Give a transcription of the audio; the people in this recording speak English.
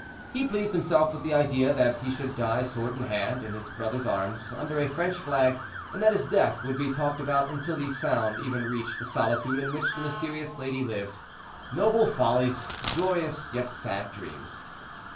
He pleased himself with the idea that he should die sword in hand, in his brother's arms, under a French flag, and that his death would be talked about until the sound even reached the solitude in which the mysterious lady lived. Noble follies! glorious, yet sad dreams!